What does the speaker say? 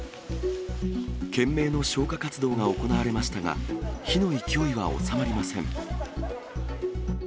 懸命の消火活動が行われましたが、火の勢いは収まりません。